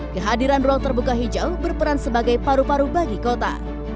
kehadiran ruang terbuka hijau berperan sebagai paru paru bagi kota